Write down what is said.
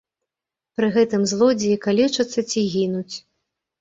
Пры гэтым злодзеі калечацца ці гінуць.